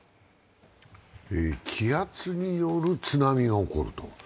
気圧による津波が起こると。